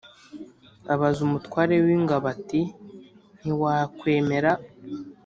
Abaza umutware w ingabo ati ntiwakwemera